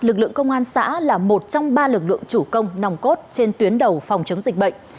lực lượng công an xã là một trong ba lực lượng chủ công nòng cốt trên tuyến đầu phòng chống dịch bệnh